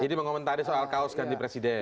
jadi mengomentari soal kaos ganti presiden